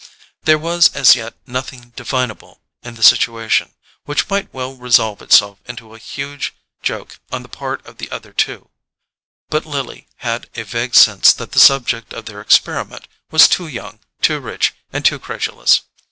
There was as yet nothing definable in the situation, which might well resolve itself into a huge joke on the part of the other two; but Lily had a vague sense that the subject of their experiment was too young, too rich and too credulous.